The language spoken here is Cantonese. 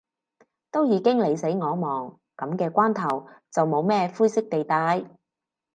都已經你死我亡，噉嘅關頭，就冇咩灰色地帶